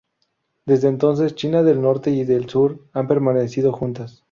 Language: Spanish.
Desde entonces, China del Norte y del Sur han permanecido juntas.